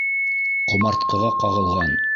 Ҡомартҡыға ҡағылған!